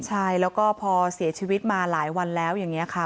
ใช่แล้วก็พอเสียชีวิตมาหลายวันแล้วอย่างนี้ค่ะ